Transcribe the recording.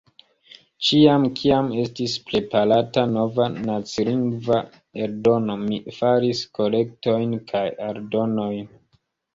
Ĉiam, kiam estis preparata nova nacilingva eldono, mi faris korektojn kaj aldonojn.